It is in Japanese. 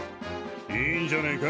いいんじゃねえか。